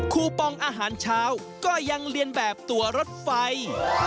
คูปองอาหารเช้าก็ยังเรียนแบบตัวรถไฟ